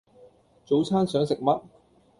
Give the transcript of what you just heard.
早餐想食乜？